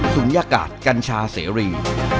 ยากาศกัญชาเสรี